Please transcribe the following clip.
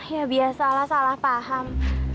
ya biasalah salah paham